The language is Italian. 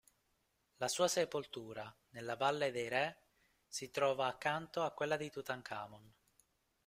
La sua sepoltura, nella Valle dei Re, si trova accanto a quella di Tutankhamon.